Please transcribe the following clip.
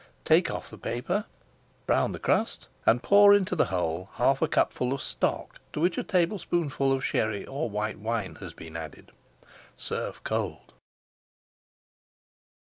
Take off the paper, brown the crust, and pour into the hole half a cupful of stock to which a tablespoonful of Sherry or white wine [Page 476] has been added. Serve cold.